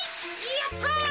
やった。